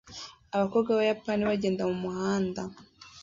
Abakobwa b'Abayapani bagenda mumuhanda